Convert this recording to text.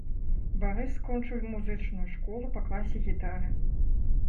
Барыс скончыў музычную школу па класе гітары.